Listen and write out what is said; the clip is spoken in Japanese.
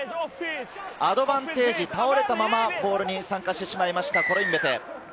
アドバンテージ、倒れたままボールに参加してしまいました。